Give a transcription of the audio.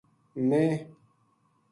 میں